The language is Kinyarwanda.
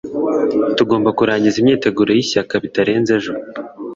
tugomba kurangiza imyiteguro yishyaka bitarenze ejo